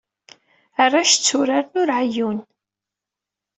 Arrac, tturaren ur ɛeyyun.